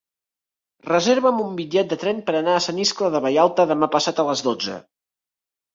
Reserva'm un bitllet de tren per anar a Sant Iscle de Vallalta demà passat a les dotze.